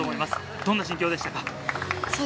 どんな心境でしたか。